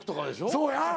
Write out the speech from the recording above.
そうや。